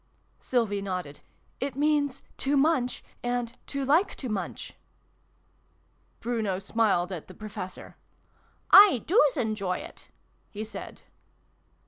Sylvie nodded. " It means 'to munch' and ' to like to munch.' ' Bruno smiled at the Professor. " I doos enjoy it," he said.